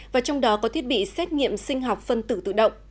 và trong đó có thiết bị xét nghiệm sinh học phân tử tự động